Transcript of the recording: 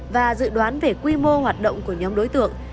và dự đoán về quy mô hoạt động của nhóm đối tượng